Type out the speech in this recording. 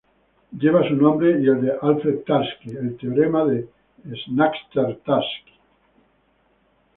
Lleva su nombre y el de Alfred Tarski el Teorema de Knaster-Tarski.